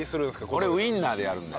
俺ウインナーでやるんだ。